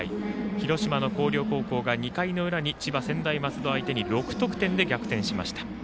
広島の広陵高校が２回の裏に千葉・専大松戸相手に６得点で逆転しました。